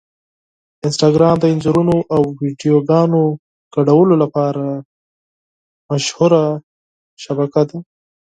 انسټاګرام د انځورونو او ویډیوګانو شریکولو لپاره مشهوره شبکه ده.